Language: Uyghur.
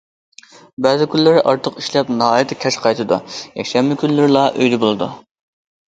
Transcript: بەزى كۈنلىرى ئارتۇق ئىشلەپ ناھايىتى كەچ قايتىدۇ، يەكشەنبە كۈنلىرىلا ئۆيدە بولىدۇ.